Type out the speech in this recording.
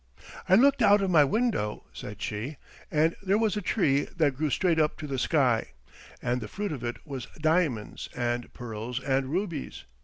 "I looked out of my window," said she, "and there was a tree that grew straight up to the sky, and the fruit of it was diamonds and pearls and rubies.